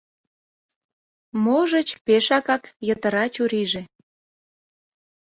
Можыч, пешакак йытыра чурийже?